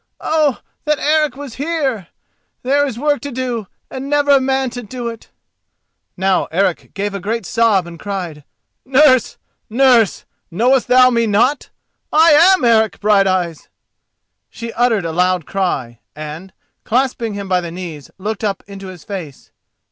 Oh, that Eric was here! there is work to do and never a man to do it." Now Eric gave a great sob and cried, "Nurse, nurse! knowest thou me not! I am Eric Brighteyes." She uttered a loud cry, and, clasping him by the knees, looked up into his face.